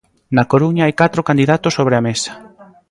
Na Coruña hai catro candidatos sobre a mesa.